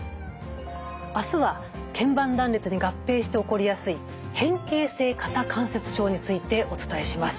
あすはけん板断裂に合併して起こりやすい変形性肩関節症についてお伝えします。